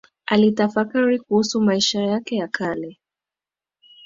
Alitafakari kuhusu maisha yake ya kale